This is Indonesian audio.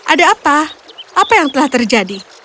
ada apa apa yang telah terjadi